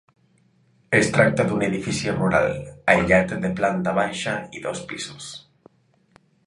Es tracta d'un edifici rural aïllat de planta baixa i dos pisos.